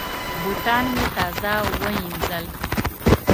بوټان مې تازه وینځل.